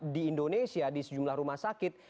di indonesia di sejumlah rumah sakit